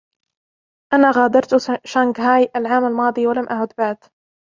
أنا غادرت شانكاهاي العام الماضي ولم أعُد بعد.